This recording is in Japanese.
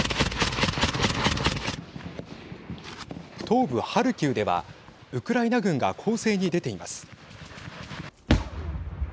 東部ハルキウではウクライナ軍が攻勢に出ています。